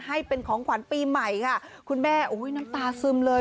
ให้เป็นของขวัญปีใหม่ค่ะคุณแม่อุ้ยน้ำตาซึมเลย